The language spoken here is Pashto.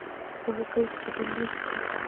په هغه کلي کې چې بانک نه وي چک ګټه نلري